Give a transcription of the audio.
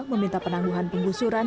meminta penangguhan penggusuran